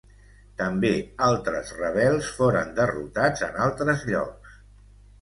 També altres rebels foren derrotats en altres llocs.